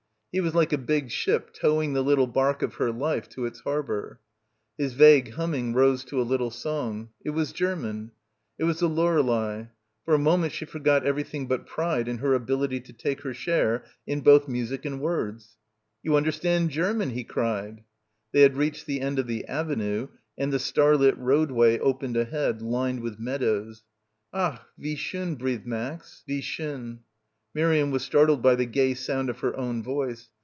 He was like a big ship towing the little barque of her life to its harbour. His vague humming rose to a little song. It 6 3 PILGRIMAGE was German. It was the Lorelei. For a moment she forgot everything but pride in her ability to take her share in both music and words. "You understand German !" he cried. They had reached the end of the avenue and the starlit roadway opened ahead, lined with meadows. "Ach, wie schon," breathed Max. "Wie schon." Miriam was startled by the gay sound of her own voice.